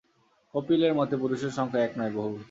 কপিলের মতে পুরুষের সংখ্যা এক নয়, বহু।